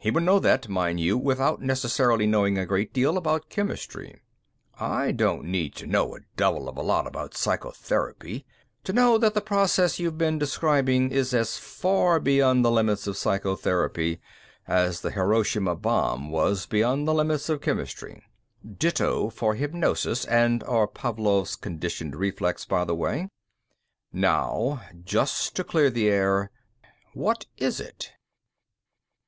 He would know that, mind you, without necessarily knowing a great deal about chemistry. "I don't need to know a devil of a lot about psychotherapy to know that the process you've been describing is as far beyond the limits of psychotherapy as the Hiroshima bomb was beyond the limits of chemistry. Ditto for hypnosis and/or Pavlov's 'conditioned reflex', by the way. "Now, just to clear the air, what is it?"